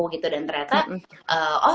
gitu dan ternyata oh